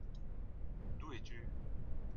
D’où es-tu ?